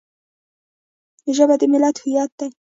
ژبه د ملت هویت دی